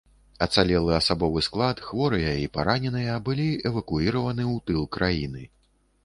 Ацалелы асабовы склад, хворыя і параненыя былі эвакуіраваны ў тыл краіны.